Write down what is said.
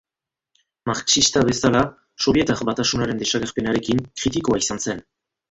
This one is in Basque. Marxista bezala, Sobietar Batasunaren desagerpenarekin kritikoa izan zen.